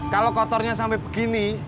kalau kotornya sampai begini